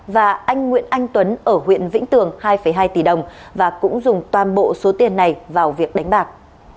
và anh nguyễn anh tuấn ở huyện vĩnh tường hai hai tỷ đồng và cũng dùng toàn bộ số tiền này vào việc đánh bạc